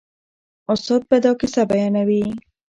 استاد به دا کیسه بیانوي.